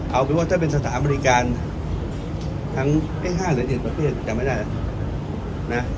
เอาเปลี่ยว่าถ้าเป็นสถานบริการห้านหรือเหนียนประเภทจำไม่ได้นะ